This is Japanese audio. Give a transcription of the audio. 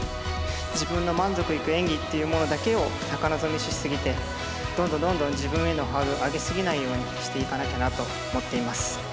自分の満足いく演技っていうものだけを高望みし過ぎてどんどんどんどん自分へのハードルを上げ過ぎないようにしていかなきゃなと思っています。